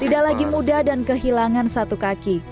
tidak lagi muda dan kehilangan satu kaki